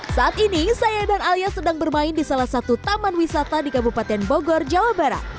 saat ini saya dan alia sedang bermain di salah satu taman wisata di kabupaten bogor jawa barat